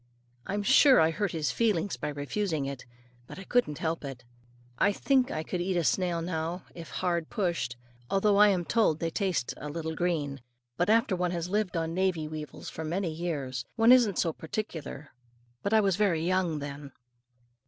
I'm sure I hurt his feelings by refusing it. But I couldn't help it. I think I could eat a snail now, if hard pushed, although I am told they taste "a little green." But after one has lived on Navy weevils for many years, one isn't so particular; but I was very young then.